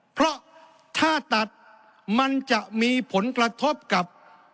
เพราะถ้าตัดมันจะมีผลกระทบกับ